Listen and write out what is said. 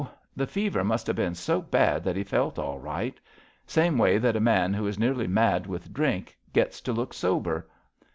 The fever must have been so bad that he felt all right — same way that a man who is nearly mad with drink gets to look sober.